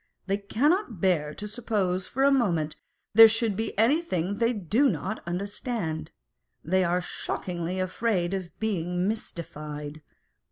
They cannot bear to suppose for a moment there should be anything they do not understand : they are shockingly afraid of being mystified.